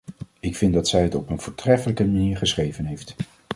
Ik vind dat zij het op een voortreffelijke manier geschreven heeft.